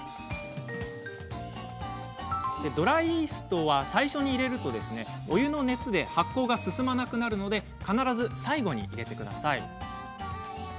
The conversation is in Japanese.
ドライイーストは最初に入れるとお湯の熱で発酵が進まなくなるので必ず最後に入れてください。